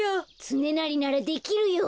つねなりならできるよ。